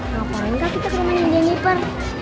ngapain kak kita ke rumahnya jennifer